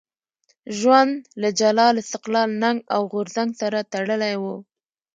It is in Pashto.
ژوند له جلال، استقلال، ننګ او غورځنګ سره تړلی وو.